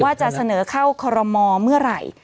ว่าจะเสนอเข้าคอรมอเมื่อไหร่